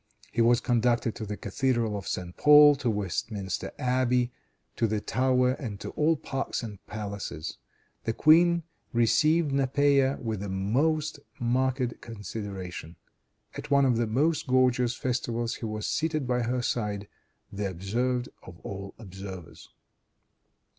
He was conducted to the cathedral of St. Paul, to Westminster Abbey, to the Tower and to all the parks and palaces. The queen received Nepeia with the most marked consideration. At one of the most gorgeous festivals he was seated by her side, the observed of all observers.